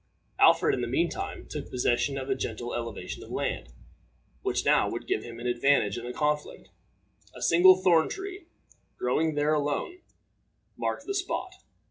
Alfred, in the mean time, took possession of a gentle elevation of land, which now would give him an advantage in the conflict. A single thorn tree, growing there alone, marked the spot.